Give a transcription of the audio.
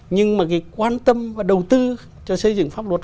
nhưng mà cái quan tâm và đầu tư cho xây dựng pháp luật